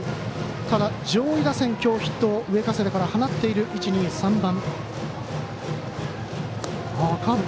ただ、上位打線は今日ヒット上加世田から放っている１、２、３番。